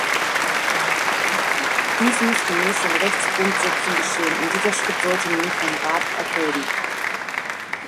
Dies muss gemäß den Rechtsgrundsätzen geschehen und dieser Schritt sollte nun vom Rat erfolgen.